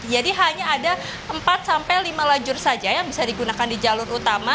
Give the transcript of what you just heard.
jadi hanya ada empat sampai lima lajur saja yang bisa digunakan di jalur utama